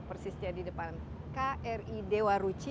persisnya di depan kri dewa ruci